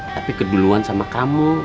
tapi keduluan sama kamu